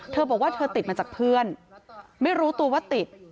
เธอบอกว่าเธอติดมาจากเพื่อนไม่รู้ตัวว่าติด